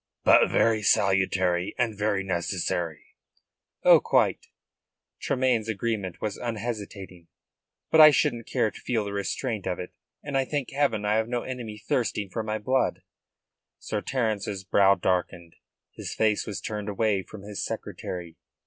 "But very salutary and very necessary." "Oh, quite." Tremayne's agreement was unhesitating. "But I shouldn't care to feel the restraint of it, and I thank heaven I have no enemy thirsting for my blood." Sir Terence's brow darkened. His face was turned away from his secretary.